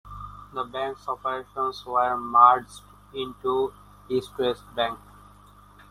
The bank's operations were merged into East West Bank.